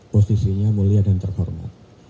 posisinya mulia dan terhormat